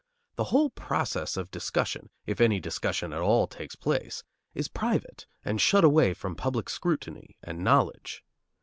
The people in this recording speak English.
The whole process of discussion, if any discussion at all takes place, is private and shut away from public scrutiny and knowledge.